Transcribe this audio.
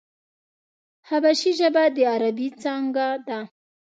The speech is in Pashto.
حبشي ژبه د عربي څانگه ده.